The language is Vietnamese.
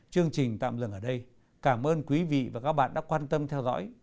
chương trình tạm dừng ở đây cảm ơn quý vị và các bạn đã quan tâm theo dõi